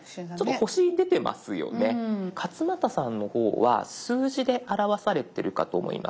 勝俣さんの方は数字で表されてるかと思います。